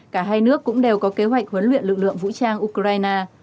cả hai nước cũng đều có kế hoạch huấn luyện lực lượng vũ trang ukraine